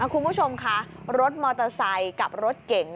คุณผู้ชมค่ะรถมอเตอร์ไซค์กับรถเก๋ง